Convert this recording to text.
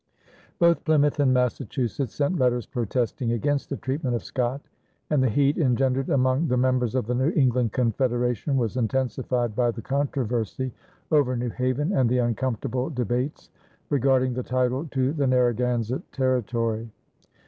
Both Plymouth and Massachusetts sent letters protesting against the treatment of Scott, and the heat engendered among the members of the New England Confederation was intensified by the controversy over New Haven and the "uncomfortable debates" regarding the title to the Narragansett territory.